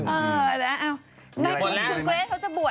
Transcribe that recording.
ไม่มีจะดูด